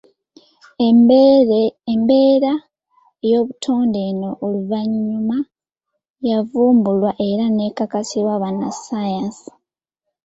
Embeera y'obutonde eno oluvannyuma yavumbulwa era n'ekakasibwa bannasayansi.